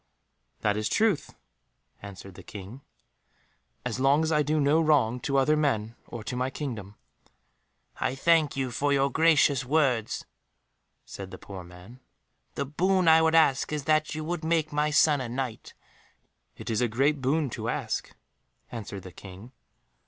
"That is truth," answered the King, "as long as I do no wrong to other men or to my kingdom." "I thank you for your gracious words," said the poor man; "the boon I would ask is that you would make my son a Knight." "It is a great boon to ask," answered the King.